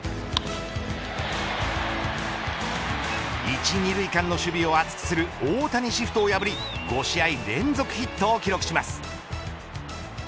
一二塁間の守備を厚くする大谷シフトを破り５試合連続ヒットを記録します。